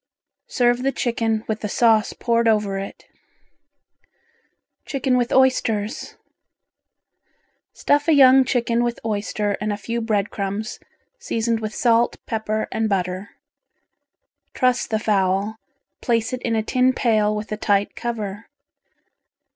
Serve the chicken with the sauce poured over it. Chicken with Oysters Stuff a young chicken with oyster and a few bread crumbs, seasoned with salt, pepper and butter. Truss the fowl, place it in a tin pail with a tight cover.